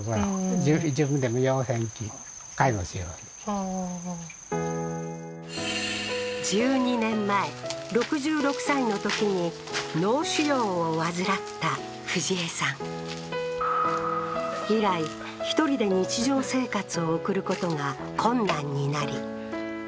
ああー１２年前６６歳の時に脳腫瘍を患った富士恵さん以来１人で日常生活を送ることが困難になり